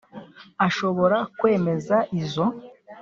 ashobora kwemeza izo.